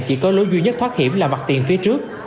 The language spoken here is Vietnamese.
chỉ có lối duy nhất thoát hiểm là mặt tiền phía trước